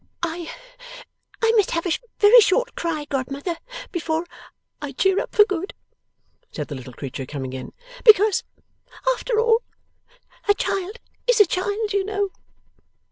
'I must have a very short cry, godmother, before I cheer up for good,' said the little creature, coming in. 'Because after all a child is a child, you know.